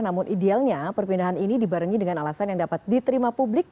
namun idealnya perpindahan ini dibarengi dengan alasan yang dapat diterima publik